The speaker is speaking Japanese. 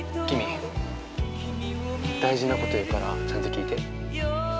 キミ大事なこと言うからちゃんと聞いて。